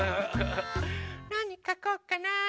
なにかこうかな。